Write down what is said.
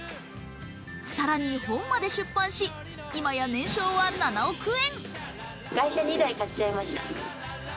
更に本まで出版し今や年商は７億円。